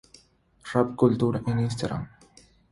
Rave Culture en Instagram